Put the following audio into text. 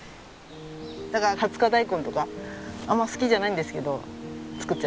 だからハツカダイコンとかあんま好きじゃないんですけど作っちゃいます。